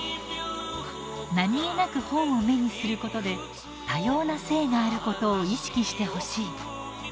何気なく本を目にすることで多様な性があることを意識してほしい。